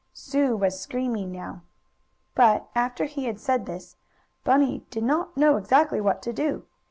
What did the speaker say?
Sue was screaming now. But, after he had said this, Bunny did not know exactly what to do.